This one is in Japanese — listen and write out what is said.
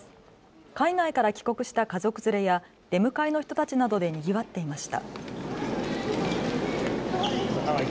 海外から帰国した家族連れや出迎えの人たちなどでにぎわっていました。